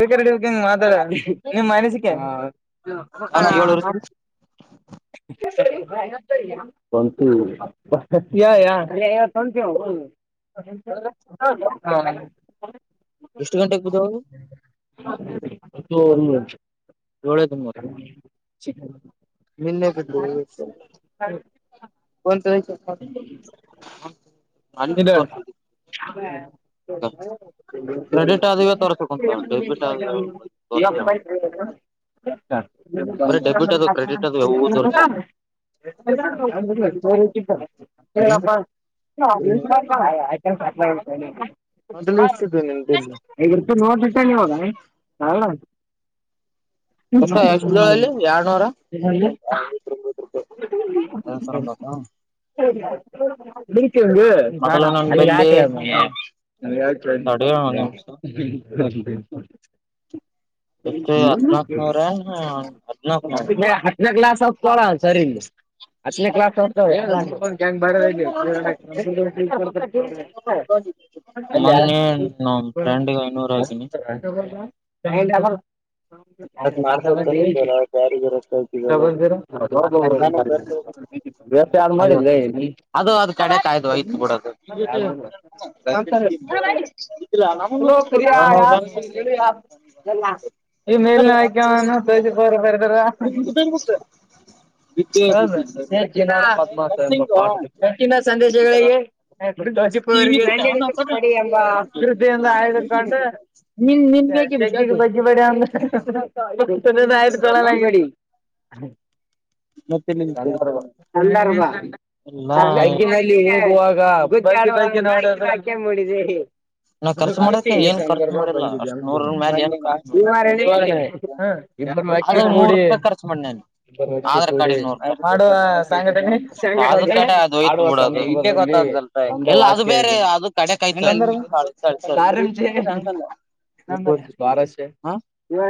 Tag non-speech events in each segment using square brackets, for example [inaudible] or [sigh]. [unintelligible] ಮಾತಾಡಿ ನಿಮ್ ಅನಿಸಿಕ. [unintelligible] ಸಂತ [unintelligible] ಹ ಎಷ್ಟ್ ಗಂಟೆಗೆ ಕೂತ್ಕೋಳದು. [unintelligible] [inaudible] [inaudible] [inaudible] [inaudible] [unintelligible] [inaudible] [unintelligible] [unintelligible] [unintelligible] ಯಡ್ವಾರ. ರೂಪಾಯಿ [unintelligible] [inaudible] [inaudible] [inaudible] [inaudible] ಹತ್ನೇ ಕ್ಲಾಸು. ಬ [unintelligible] [inaudible] ಮೊನ್ನೆ ನ ಫ್ರೆಂಡ್ಗೆ ಐನೂರು ಹಾಕ್ಸಿನಿ. [inaudible] [unintelligible] ಐವತ್ತು ವರ್ಷ, ಅದು ಅದು ಕಡೆ ಕ ಬಿಡದು [unintelligible] [inaudible] [unintelligible] ಹ ಸ ಜ ಪದ್ಮಸಂಬಿನ ಸಂದೇಶ [unintelligible] [unintelligible] [unintelligible] ಬಜ್ಜಿ ಬಡ. [unintelligible] ಲ್ಲ ಎಡಿ. ಸ [unintelligible] [unintelligible] ಖರ್ಚು ಮಾಡಕ ಏನ್ ಖರ್ಚು ಮಾಡಿಲ್ಲ ಅಷ್ಟ್ ನೂರ ಮೆಲ [unintelligible] ಅದ ನೂರು ರೂಪಾಯಿ ಖರ್ಚು ಮಾಡನು. ಆಧಾರ್ ಕಾರ್ಡ್ ಅ ಅದೋಯ್ತು ಬಿಡು. ಇ ಗೊತ್ತಾಗ ಇಲ್ಲ ಅದು ಬೇರೆ ಅದು ಕಡೆ ಕೈ ಸರಿ ಸರಿ ಅಂಗಲ್ಲ ಇಪ್ಪತ್ ರುಪಾಯಿಗೆ ಹ.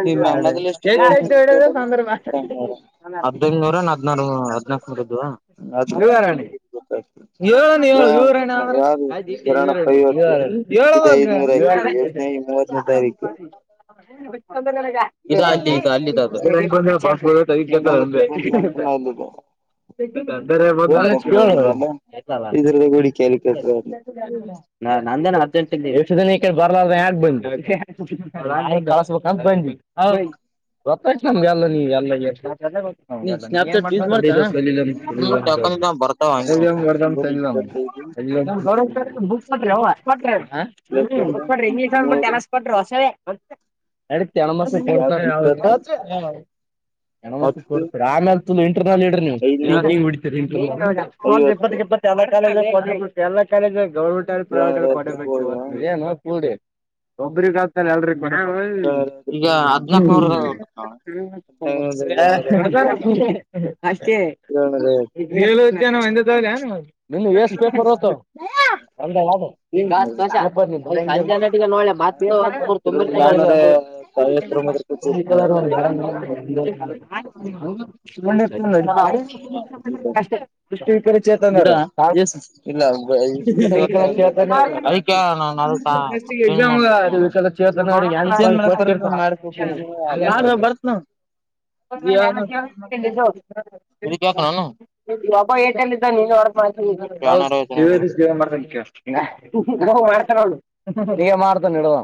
[unintelligible] [unintelligible] ಹೇಳನ ಹೇಳು ವಿವರಣೆ ಅಂದ್ರ [unintelligible] [unintelligible] [unintelligible] ಫೋನ್ ಹಚ್ಚಿ ಕೇಳು [unintelligible] ಎಷ್ಟು ದಿನ ಈ ಕಡೆ ಬರ್ಲಾರ ಯಾಕ ಬಂದ್ಳಸ್ಬೇಕಂತ ಬಂದ್ವಿ [unintelligible] [unintelligible] [unintelligible] [unintelligible] [unintelligible] [unintelligible] ಇಪ್ಪತ್ತ ಇಪ್ಪತ್ತ ಎಲ್ಲ ಕಾಲೇಜ ಎಲ್ಲ ಕಾಲೇಜ ಗೌರ್ಮೆಂಟ್ ಪ್ರೈವೇಟ್ ಕೊಡಬೇಕು ಇವತ್ ಏನೋ ಕೋಡಿ ಒಬ್ಬ್ರಗತ ಎಲ್ [unintelligible] ಅಷ್ಟೇ ನೀಲು ಉದ್ಯಾನ ಒಂದೇ [unintelligible] [unintelligible] [unintelligible] [unintelligible] [unintelligible] [unintelligible] [unintelligible] [unintelligible] ಈಗ ಮಾಡ್ತಾನ ಇಡುದ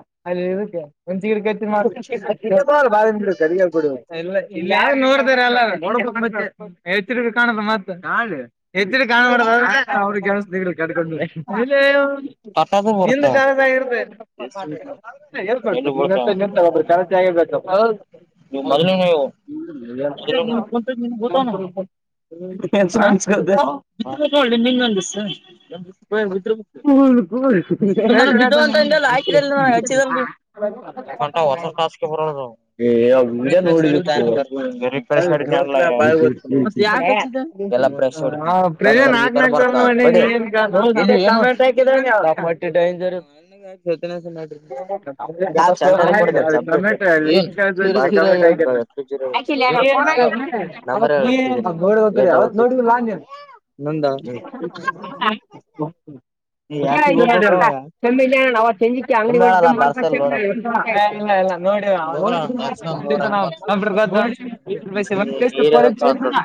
[unintelligible] [unintelligible] [unintelligible] [unintelligible] [unintelligible] [unintelligible] [unintelligible] [unintelligible] [unintelligible] [unintelligible] [unintelligible] [unintelligible] [unintelligible] [unintelligible] [unintelligible]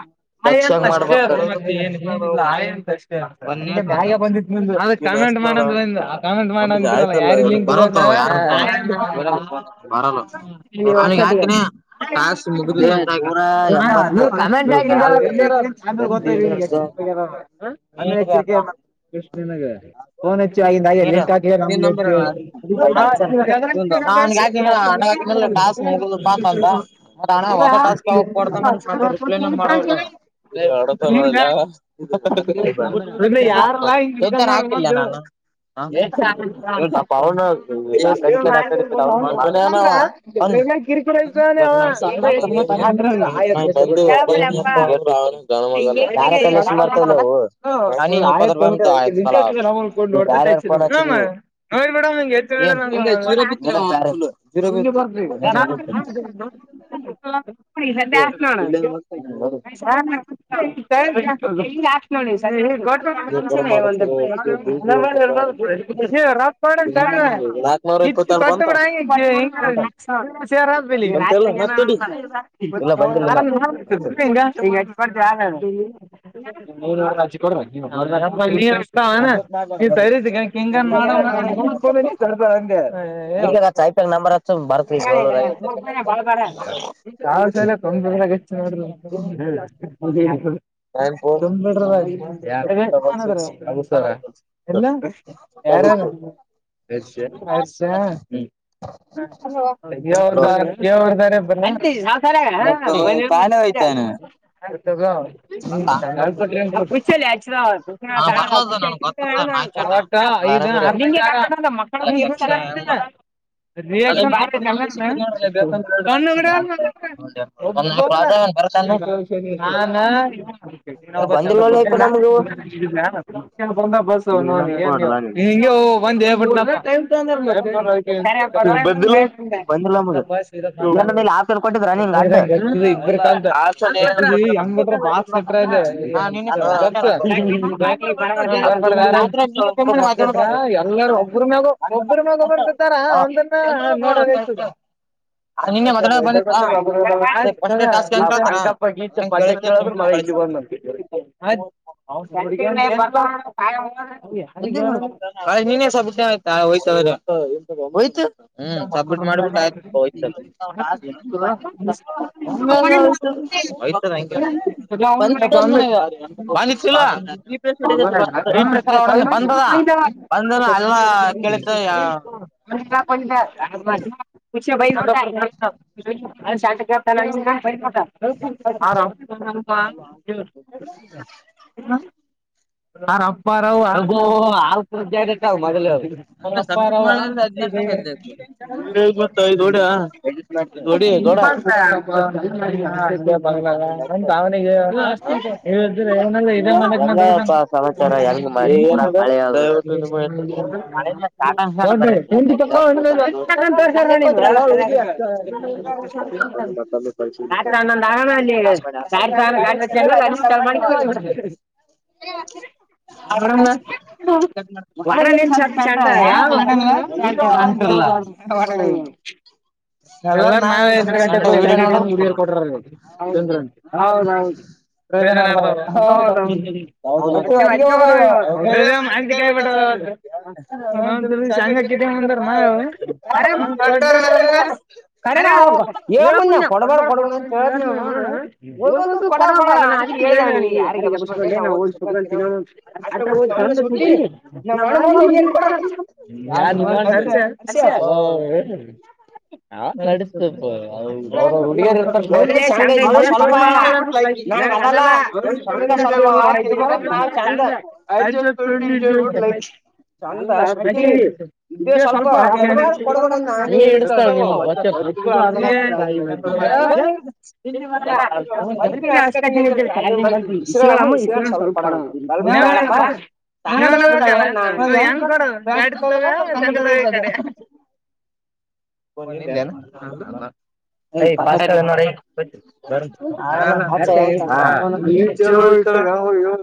ಹಾಯ್ ಎಂತ ಅಷ್ಟ [unintelligible] [unintelligible] [unintelligible] [unintelligible] [unintelligible] [unintelligible] [unintelligible] ಯಾರಲ್ಲಾ ಹಿಂಗಿಡ್ಕಂಡರ್ ಬಂದು [unintelligible] [unintelligible] [unintelligible] [unintelligible] [unintelligible] [unintelligible] [unintelligible] [unintelligible] [unintelligible] [unintelligible] [unintelligible] [unintelligible] [unintelligible] [unintelligible] ಇಲ್ಲ ಯಾರ್ ಯಾರ್. [unintelligible] [unintelligible] [unintelligible] [unintelligible] ರಿಯಕ್ಕ್ಷನ್ [unintelligible] [unintelligible] ನಾನ್ [unintelligible] [unintelligible] [unintelligible] [unintelligible] ಯಾರ್ [unintelligible] ಎಲ್ಲರೂ ಒಬ್ಬರ್ ಮ್ಯಾಗ್ ಒಬ್ಬರ್ ಬಿದ್ದಾರ್ ಅಂದಿನ ನಾ [unintelligible] ನೋಡದೇ [unintelligible] ಅದ ನಿನ್ನೆ ಮಾತಾಡಕ್ ಬಂದಿದ್ದಪಾ. [unintelligible] ನಿಂತ ಪದ್ಯ ಕೇಳಿದ್ರ ಮಗಾ ಇಲ್ಲಿ ಬಂದ [unintelligible] [unintelligible] [unintelligible] ಹ್ಮ್ ಸಬ್ಮಿಟ್ ಮಾಡ್ ಬಿಟ್ಟ ಆಯ್ತ್ ಹೋಯ್ತ [unintelligible] ಹೋಯ್ತುದ ಹಂಗೆನಿಲ್ ರಿಫ್ರೆಶ್ ಎಲ್ಲಾ [unintelligible] [unintelligible] [unintelligible] [unintelligible] [unintelligible] [unintelligible] [unintelligible] ಎಲ್ಲ ಸಮಾಚಾರ [unintelligible] [unintelligible] [unintelligible] [unintelligible] [unintelligible] [unintelligible] ಎಲ್ಲಾರ ನಾಳೆ [unintelligible] ಹೌ ಚಂದ್ರ ಹೌದೌದು. [unintelligible] [unintelligible] ಅಂದ ನಡ [unintelligible] ಅರೆ ಹ ಹೇಳಕಂ ಕೊಡ್ಬಡ ಕೊಡಬ [unintelligible] ಸ ನ ಕೊಡ ಕೊಡ ನ ಅದಿಕ್ಕೆ ಹೇಳ ನಾನ ಯರ ಬಸ್ೆ ನಾ ಓಡಿಸಬಿಟ್ರಂತ ತಿೋ [unintelligible] [inaudible] ಅಕ್ಷ [unintelligible] ಹಾ ನಡಸ್ತಪ್ಪ ಅವ್ರವ ಹುಡುಗಿಯ ಇರ್ತ ಮಲ್ಲ [unintelligible] ಚಂದ ಆಡ್ ಸಾವಿರ ತೊನೂ ಜ ಚಂದ [unintelligible] ಇದೇ ಸ್ವಲ್ಪ ಹ ಇಡಸ್ತಾವಳ ಮೆ ಹಾ ಬದುಕಿನ ಅಕ ಇದಾರ್ ಬ ಇಮ್ಮ ಇಸ ಸ್ವಲ್ಪ ಕೊಡ [unintelligible] ಏನಪ್ಪಾ [unintelligible] ಡೆ [unintelligible] ಯಾಕೆ ಳ ಬ [unintelligible] ಇರ್ತ ಗ [unintelligible]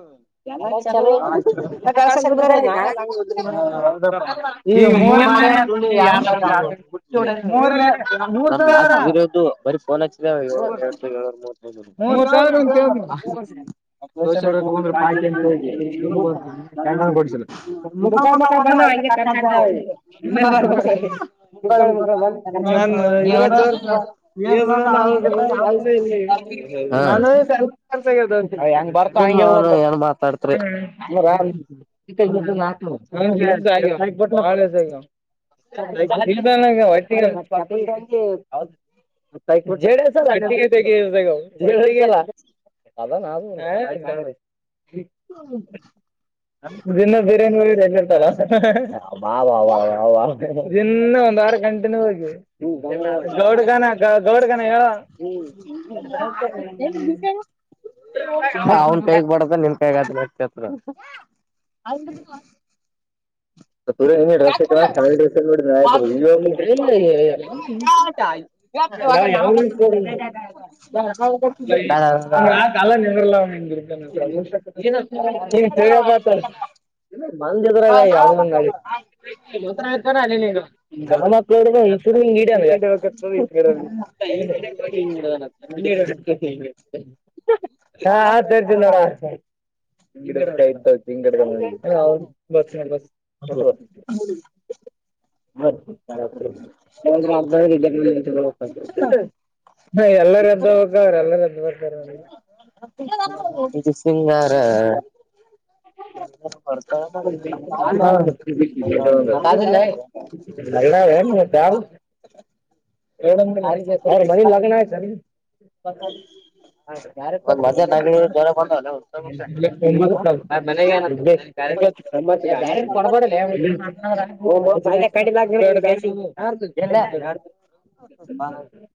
ಎ ಚಲ್ಲ ಕಳಸಂಗ ಬಾರ [unintelligible] ಸ್ರದು ಬಫೋನ್ [unintelligible] ಮೂರ್ ಸಾವಿರ ದೋೆಾಯ [unintelligible] ಮುಖ ಬ [unintelligible] ನನ್ ಎದ್ರಾಗ ಎದ್ರಾಗ [unintelligible] ಹಸ ಇಲ್ಲ ನಾನ ಸ್ವಲ್ಪರ್ಂಗ [unintelligible] ಬರ್ತಾ ಹಗೆ ಟ್ಟಾಳ ಆ [unintelligible] ಒ [unintelligible] ೆಡೆ ಅಗಗಡೆಲ್ಲ ಅದ ನ [unintelligible] ಹ್ಮ ದನ್ನ ಬಿರಾನಿ ಹೆಂಗಳ್ತಲ್ಲ ಬ [unintelligible] ದನ್ನ ಒಂದ್ ವಾರ ಗಂಟೆನ್ಯೂ ಆಗಿ ಗೌಡ್ಗನ ಗೌಡ್ಗನ ಹೇಳ ಹ [inaudible] [unintelligible] ತ ಇ ಡ್ರಸ್ಸಾಲಿ [unintelligible] ೋ ಆತಲ್ಲ ನಿಲ್ಲ [unintelligible] ಬಂದಿದ್ರಾಗ ಯಾವ ತ ಮಳ [unintelligible] [inaudible] [unintelligible] ಹ ಸರ್ಜು ನಡ [unintelligible] ಆಯ್ತುಡೆ [unintelligible] ಅವಾ [unintelligible] ಹಿದ್ಯಾರ್ಥ [unintelligible] ಎಲ್ಲಾರ ಎಂತ ಹೋಗ ಅವ್ರ ಎಲ್ಲಾರ ಎಂತ ಬರ್ತಾರ ಇ ಸಿಂಗಾರ ಹೊರ್ತ ಹೌ [inaudible] ಮ ಲಗ್ನರಿ [unintelligible] ಹಾ ಯ ಕೊಟ್ಟ ಮ [unintelligible] ತ್ತ ಯಡ್ಕೊಡ [unintelligible] ಹ